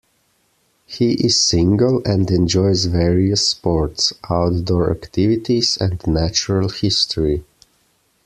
He is single and enjoys various sports, outdoor activities and natural history.